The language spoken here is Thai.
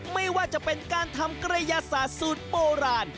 ไม่ว่าจะเป็นการทำกระยาศาสตร์สูตรโบราณ